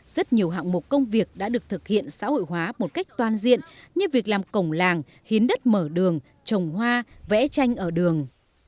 rất nhiều hạng mục công việc đã được thực hiện xã hội hóa một cách toàn diện như việc làm cổng làng hiến đất mở đường trồng hoa vẽ tranh ở đường